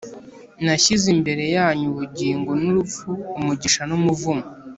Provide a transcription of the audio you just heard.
nashyize imbere yanyu ubugingon’urupfu, umugisha n’umuvumo.